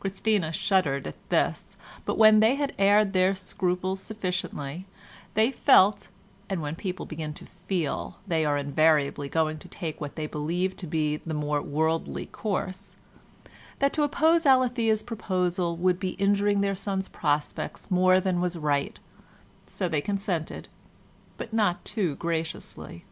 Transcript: Christina shuddered at this, but when they had aired their scruples sufficiently they felt (and when people begin to "feel," they are invariably going to take what they believe to be the more worldly course) that to oppose Alethea's proposal would be injuring their son's prospects more than was right, so they consented, but not too graciously.